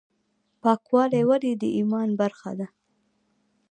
پاکوالی ولې د ایمان برخه ده؟